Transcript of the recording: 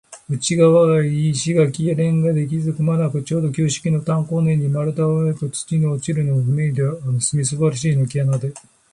内がわを石がきやレンガできずくひまはなく、ちょうど旧式な炭坑のように、丸太のわくで、土の落ちるのをふせいであるという、みすぼらしいぬけ穴です。